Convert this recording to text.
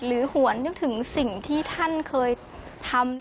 หวนนึกถึงสิ่งที่ท่านเคยทำ